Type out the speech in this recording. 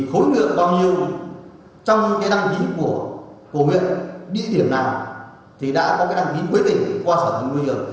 thì khối ngược bao nhiêu trong cái đăng ký của huyện địa điểm nào thì đã có cái đăng ký quyết định qua sở tài nguyên